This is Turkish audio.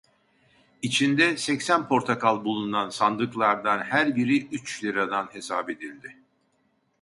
İçinde seksen portakal bulunan sandıklardan her biri üç liradan hesap edildi.